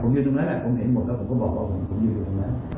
ผมอยู่ตรงนั้นแหละผมเห็นหมดแล้วผมก็บอกว่าผมอยู่อยู่ตรงนั้น